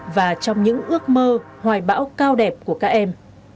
và trong những ước mơ hoài bão cao đẹp của các em